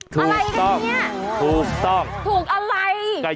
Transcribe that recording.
ถูกต้องถูกอะไร